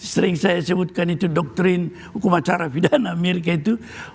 sering saya sebutkan itu doktrin hukum acara pidana amerika itu